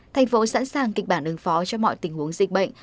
tp hcm sẵn sàng kịch bản ứng phó cho mọi tình huống dịch bệnh